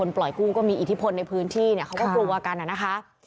ปล่อยกู้ก็มีอิทธิพลในพื้นที่เนี่ยเขาก็กลัวกันนะคะ